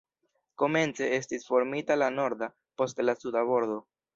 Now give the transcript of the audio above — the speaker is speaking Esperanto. Komence estis formita la norda, poste la suda bordo.